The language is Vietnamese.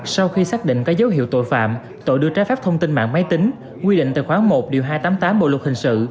sau khi xác định có dấu hiệu tội phạm tội đưa trái phép thông tin mạng máy tính quy định tại khoảng một điều hai trăm tám mươi tám bộ luật hình sự